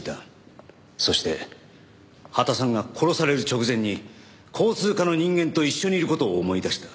そして羽田さんが殺される直前に交通課の人間と一緒にいる事を思い出した。